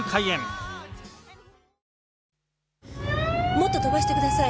もっと飛ばしてください。